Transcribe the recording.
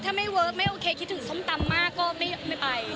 ถ้าไม่เวิร์คไม่โอเคคิดถึงส้มตำมากก็ไม่ไป